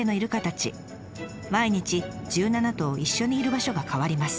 毎日１７頭一緒にいる場所が変わります。